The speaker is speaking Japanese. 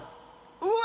うわ！